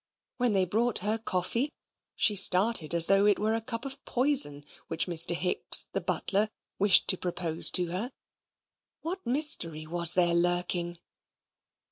When they brought her coffee, she started as though it were a cup of poison which Mr. Hicks, the butler, wished to propose to her. What mystery was there lurking?